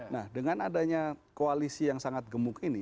nah dengan adanya koalisi yang sangat gemuk ini